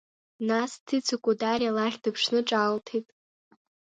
Нас Цицико Дариа лахь дыԥшны ҿаалҭит…